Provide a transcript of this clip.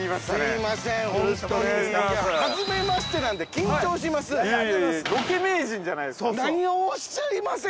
◆いや、初めましてなんで緊張します。